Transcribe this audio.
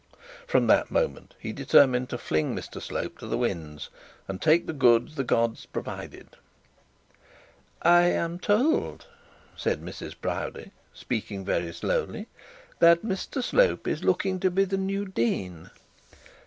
From that moment he determined to fling Mr Slope to the winds, and take the goods the gods provided. 'I am told,' said Mrs Proudie, speaking very slowly, 'that Mr Slope is looking to be the new dean.'